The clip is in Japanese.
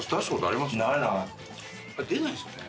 あれ出ないですよね。